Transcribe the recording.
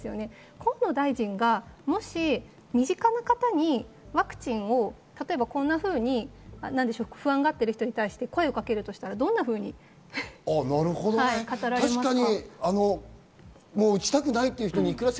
河野大臣が身近な方にワクチンを例えばこんなふうに不安がっている人に声をかけるとしたらどんなふうに声をかけますか？